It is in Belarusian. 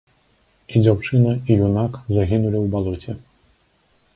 І дзяўчына і юнак загінулі ў балоце.